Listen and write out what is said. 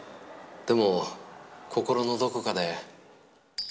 でも心のどこかで。